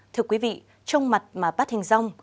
thưa quý vị trong mặt mà bắt hình rong